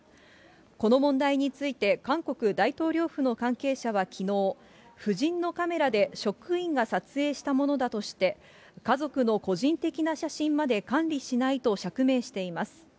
この問題について、韓国大統領府の関係者はきのう、夫人のカメラで職員が撮影したものだとして、家族の個人的な写真まで管理しないと釈明しています。